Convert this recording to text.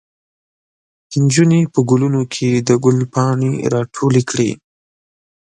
نجونې په ګلونو کې د ګل پاڼې راټولې کړې.